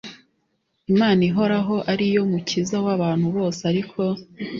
imana ihoraho ari yo mukiza w abantu bose ariko